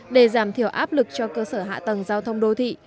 để giảm thiểu áp lực cho cơ sở hạ tầng giao thông đô thị